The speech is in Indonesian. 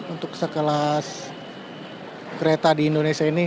untuk sekelas kereta di indonesia ini